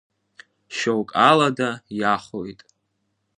Шьоук алада иахоит…